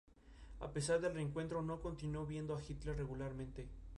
A pesar del reencuentro no continuó viendo a Hitler regularmente.